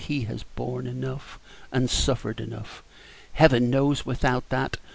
He has borne enough, and suffered enough, Heaven knows, without that.